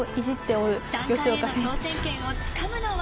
３冠への挑戦権をつかむのは。